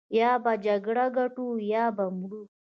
يا به جګړه ګټو يا به مرو.